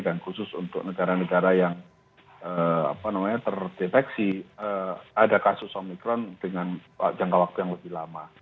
dan khusus untuk negara negara yang terdeteksi ada kasus omikron dengan jangka waktu yang lebih lama